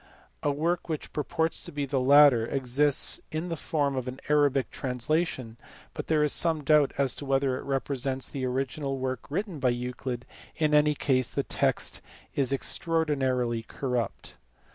A work which purports to be the latter exists in the form of an Arabic translation, but there is some doubt as to whether it repre sents the original work written by Euclid ; in any case, the text is extraordinarily corrupt.